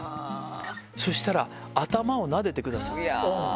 そしたら頭をなでてくださって。